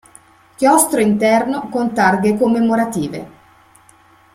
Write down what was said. Chiostro interno con targhe commemorative.